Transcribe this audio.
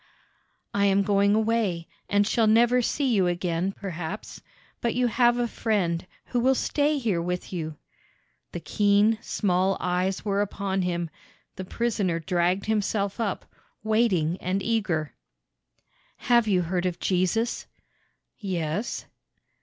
"I am going away, and shall never see you again, perhaps; but you have a Friend who will stay here with you." The keen, small eyes were upon him. The prisoner dragged himself up, waiting and eager. "Have you heard of Jesus?" "Yes."